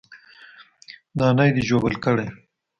نانى دې ژوبل کړى.